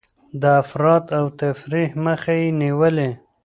د افراط او تفريط مخه يې نيولې.